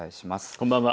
こんばんは。